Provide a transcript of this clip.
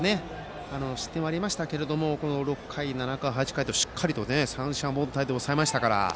失点はありましたが６回、７回、８回と、しっかり三者凡退に抑えましたから。